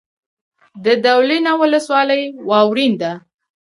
د دولینه ولسوالۍ واورین ده